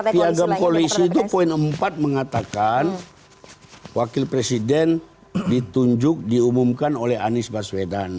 piagam koalisi itu poin empat mengatakan wakil presiden ditunjuk diumumkan oleh anies baswedan